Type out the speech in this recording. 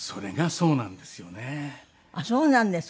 そうなんです。